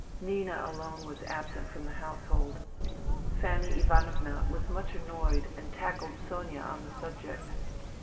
Nina alone was absent from the household. Fannj Ivanovna was much annoyed and tackled Sonia or the subject.